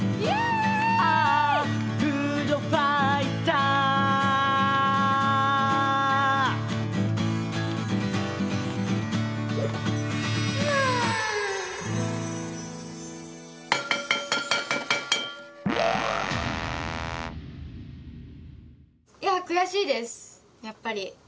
やっぱり。